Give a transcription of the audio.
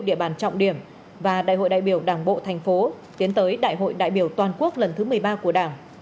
địa bàn trọng điểm và đại hội đại biểu đảng bộ thành phố tiến tới đại hội đại biểu toàn quốc lần thứ một mươi ba của đảng